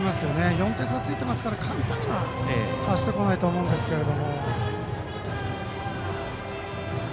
４点差ついてますから簡単には走ってこないと思うんですけど。